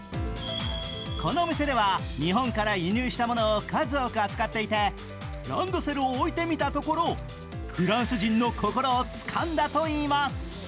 このお店では日本から輸入したものを数多く扱っていてランドセルを置いてみたところ、フランス人の心をつかんだといいます。